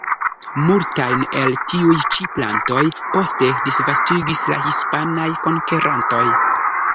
Multajn el tiuj ĉi plantoj poste disvastigis la hispanaj konkerantoj.